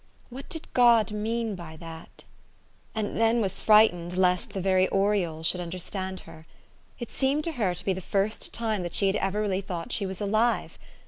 What did God mean by that? " THE STORY OP AVIS. 57 And then was frightened lest the very orioles should understand her. It seemed to her to be the first time that she had ever really thought she was alive.